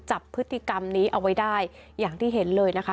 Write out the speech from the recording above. จับพฤติกรรมนี้เอาไว้ได้อย่างที่เห็นเลยนะคะ